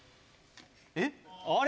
えっあれ？